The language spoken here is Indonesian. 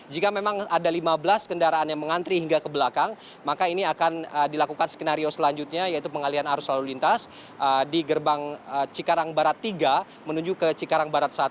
jika memang ada lima belas kendaraan yang mengantri hingga ke belakang maka ini akan dilakukan skenario selanjutnya yaitu pengalian arus lalu lintas di gerbang cikarang barat tiga menuju ke cikarang barat satu